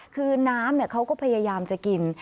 คือน้ำเขาก็พยายามจะกิน